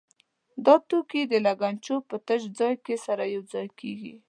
دا توکي د لګنچو په تش ځای کې سره یو ځای کېږي.